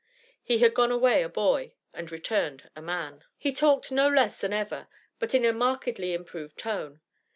He had gone away a boy, and returned a man. He talked no less than ever, but in a markedly improved tone.